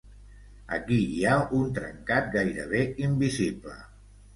Aquí hi ha un trencat gairebé invisible.